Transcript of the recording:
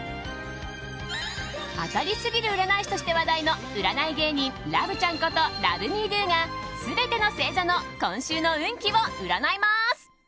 当たりすぎる占い師として話題の占い芸人、ラブちゃんことＬｏｖｅＭｅＤｏが全ての星座の今週の運気を占います。